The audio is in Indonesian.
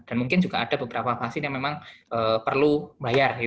mungkin juga ada beberapa vaksin yang memang perlu bayar